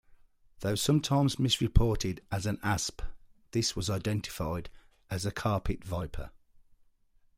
Though sometimes misreported as an asp, this was identified as a carpet viper.